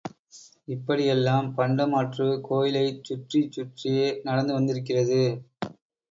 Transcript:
இப்படியெல்லாம் பண்ட மாற்று கோயிலைச் சுற்றிச் சுற்றியே நடந்து வந்திருக்கிறது.